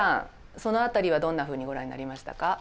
その辺りはどんなふうにご覧になりましたか？